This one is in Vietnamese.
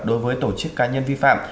đối với tổ chức cá nhân vi phạm